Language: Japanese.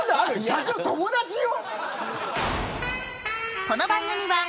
社長友達よ。